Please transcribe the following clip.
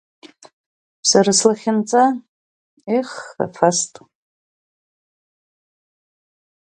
Сара слахьынҵа, ех, афаст!